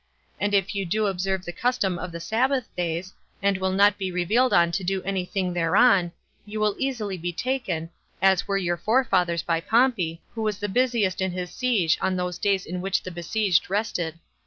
and if you do observe the custom of the sabbath days, and will not be revealed on to do any thing thereon, you will easily be taken, as were your forefathers by Pompey, who was the busiest in his siege on those days on which the besieged rested.